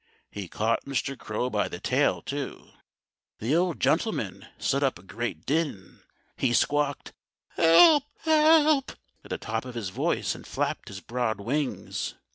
He caught Mr. Crow by the tail, too. The old gentleman set up a great din. He squawked, "Help! help!" at the top of his voice and flapped his broad wings.